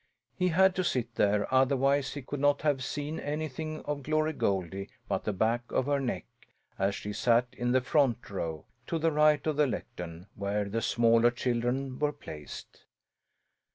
He had to sit there; otherwise he could not have seen anything of Glory Goldie but the back of her neck, as she sat in the front row, to the right of the lectern, where the smaller children were placed.